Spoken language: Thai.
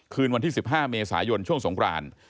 คืนวันที่๑๕เมษายนช่วงสงคราน